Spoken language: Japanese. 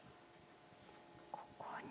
ここに。